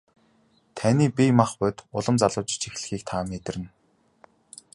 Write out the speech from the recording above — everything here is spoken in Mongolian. Таны бие махбод улам залуужиж эхлэхийг та мэдэрнэ.